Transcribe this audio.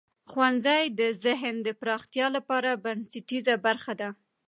ښوونځی د ذهن د پراختیا لپاره بنسټیزه برخه ده.